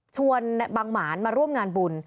บางหมานมาร่วมงานบุญ